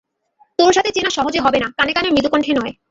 তোর সাথে চেনা সহজে হবে না-- কানে কানে মৃদুকণ্ঠে নয়।